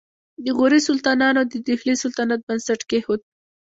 د غوري سلطانانو د دهلي سلطنت بنسټ کېښود